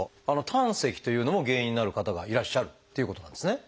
胆石というのも原因になる方がいらっしゃるっていうことなんですね。